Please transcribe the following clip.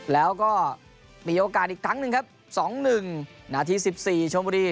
แล้วก็มีโอกาสอีกครั้งหนึ่งครับ๒๑นาที๑๔ชมบุรี